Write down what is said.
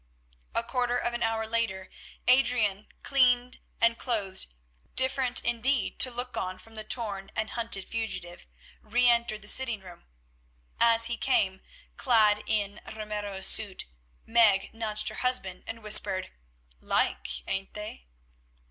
A quarter of an hour later Adrian, cleaned and clothed, different indeed to look on from the torn and hunted fugitive, re entered the sitting room. As he came, clad in Ramiro's suit, Meg nudged her husband and whispered, "Like, ain't they?"